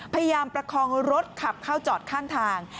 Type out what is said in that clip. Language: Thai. พยายามประคองรถขับเข้าจอดข้างทาง